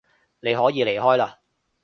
你可以離開嘞